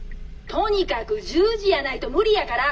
とにかく１０時やないと無理やから。